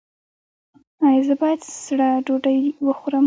ایا زه باید سړه ډوډۍ وخورم؟